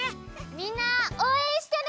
みんなおうえんしてね！